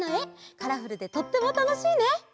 カラフルでとってもたのしいね！